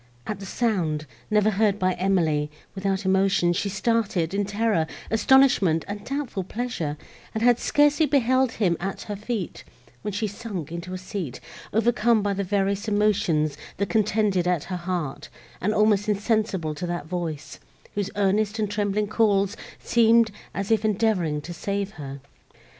At the sound, never heard by Emily, without emotion, she started, in terror, astonishment and doubtful pleasure, and had scarcely beheld him at her feet, when she sunk into a seat, overcome by the various emotions, that contended at her heart, and almost insensible to that voice, whose earnest and trembling calls seemed as if endeavouring to save her.